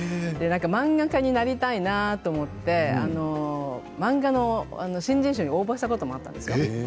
漫画家になりたいなと思って漫画の新人賞に応募したこともあったんですよ。